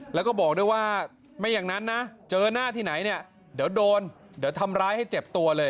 แล้วก็บอกด้วยว่าไม่อย่างนั้นนะเจอหน้าที่ไหนเนี่ยเดี๋ยวโดนเดี๋ยวทำร้ายให้เจ็บตัวเลย